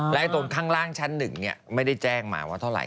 และตรงข้างล่างชั้น๑ไม่ได้แจ้งมาว่าเท่าไห